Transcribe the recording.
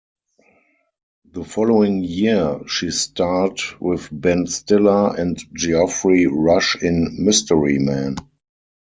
The following year she starred with Ben Stiller and Geoffrey Rush in "Mystery Men".